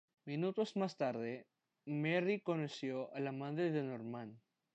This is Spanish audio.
Minutos más tarde, Mary conoció a la madre de Norman.